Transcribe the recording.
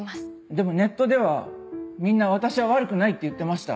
でもネットではみんな私は悪くないって言ってました。